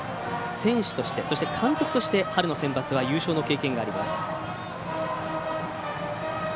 選手として、監督として春のセンバツは優勝の経験があります。